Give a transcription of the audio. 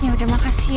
ya udah makasih ya